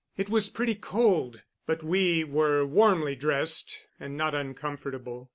It was pretty cold, but we were warmly dressed and not uncomfortable.